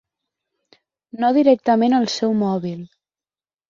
No directament al seu mòbil.